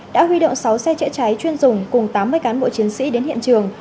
đã huy động sáu xe chữa cháy chuyên dùng cùng tám mươi cán bộ chiến sĩ đến hiện trường